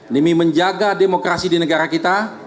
demi menjaga demokrasi di negara kita